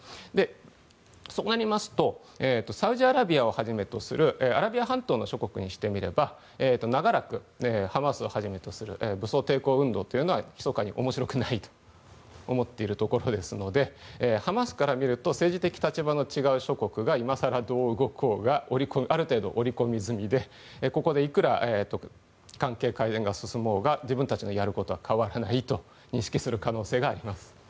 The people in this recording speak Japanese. そうなりますとサウジアラビアをはじめとするアラビア半島の諸国にしてみれば長らくハマスをはじめとする武装抵抗運動はひそかに面白くないと思っているところですのでハマスから見ると政治的立場の違う諸国が今更、どう動こうがある程度、織り込み済みでここでいくら関係改善が進もうが自分たちのやることは変わらないと認識する可能性があります。